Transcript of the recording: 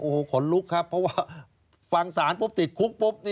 โอ้โหขนลุกครับเพราะว่าฟังศาลปุ๊บติดคุกปุ๊บ